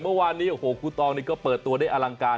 เมื่อวานนี้โอ้โหครูตองนี่ก็เปิดตัวได้อลังการ